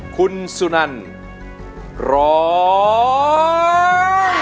คุณสุนันร้อง